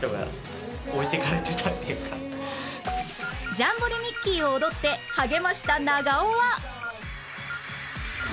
『ジャンボリミッキー！』を踊って励ました長尾は？